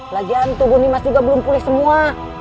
lagian tunggu nyimas juga belum pulih semua